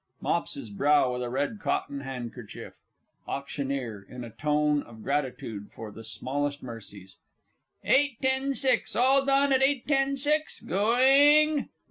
[Mops his brow with a red cotton handkerchief. AUCT. (in a tone of gratitude for the smallest mercies). Eight ten six. All done at eight ten six? Going